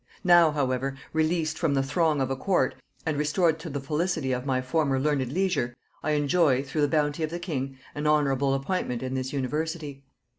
Now, however, released from the throng of a court, and restored to the felicity of my former learned leisure, I enjoy, through the bounty of the king, an honorable appointment in this university.